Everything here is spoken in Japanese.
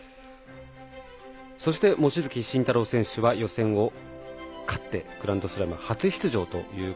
そして、望月慎太郎選手は予選を勝ってグランドスラム初出場です。